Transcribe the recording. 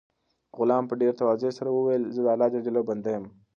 غلام په ډېر تواضع سره وویل چې زه د الله بنده یم.